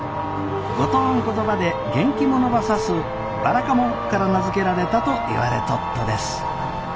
五島ん言葉で元気者ば指すばらかもんから名付けられたといわれとっとです。